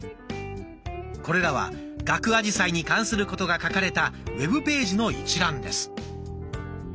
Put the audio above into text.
これらは「ガクアジサイ」に関することが書かれたウェブページの一覧です。